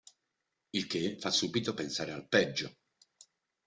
Il che fa subito pensare al peggio.